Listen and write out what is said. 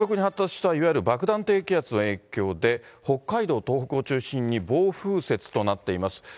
さて、ちょっとお天気なんですが、急速に発達したいわゆる爆弾低気圧の影響で、北海道、東北を中心に、暴風雪となっています。